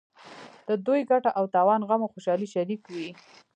د دوی ګټه او تاوان غم او خوشحالي شریک وي.